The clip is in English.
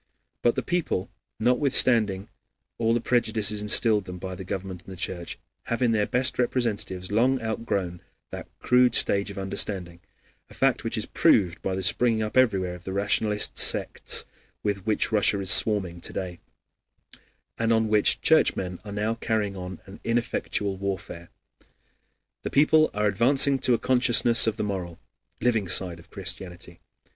But the people, notwithstanding all the prejudices instilled into them by the government and the Church, have in their best representatives long outgrown that crude stage of understanding, a fact which is proved by the springing up everywhere of the rationalist sects with which Russia is swarming to day, and on which Churchmen are now carrying on an ineffectual warfare. The people are advancing to a consciousness of the moral, living side of Christianity.